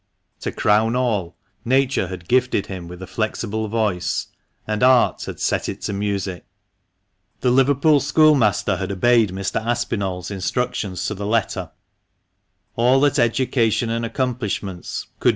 To crown all, Nature had gifted him with a flexible voice, and art had set it to music. The Liverpool schoolmaster had obeyed Mr. Aspinall's instruc tions to the letter; all that education and accomplishments could THE MANCHESTER MAN.